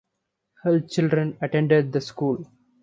Her children attended the school.